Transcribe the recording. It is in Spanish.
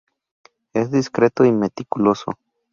Es discreto y meticuloso.